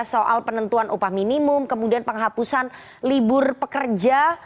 soal penentuan upah minimum kemudian penghapusan libur pekerja